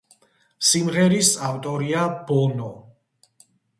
სიმღერის ავტორია ბონო.